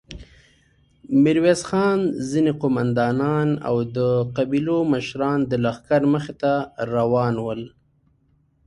ميرويس خان، ځينې قوماندانان او د قبيلو مشران د لښکر مخې ته روان ول.